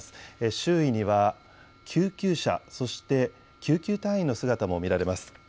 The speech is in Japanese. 周囲には救急車、そして救急隊員の姿も見られます。